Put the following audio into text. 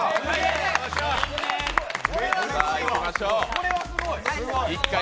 これはすごい。